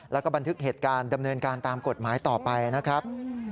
แล้วก็บันทึกเหตุการณ์ดำเนินการตามกฎหมายต่อไปนะครับ